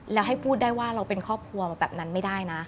แล้วให้พูดได้ว่าเราเป็นครอบครัวมาแบบนั้นไม่ได้นะ